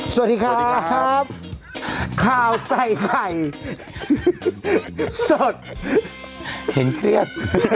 สวัสดีครับสวัสดีครับคราวใส่ไข่สดเห็นเครียด